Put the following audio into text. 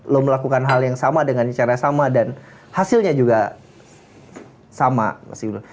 lo melakukan hal yang sama dengan cara sama dan hasilnya juga sama mas yuda